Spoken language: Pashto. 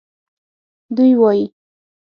دوی وایي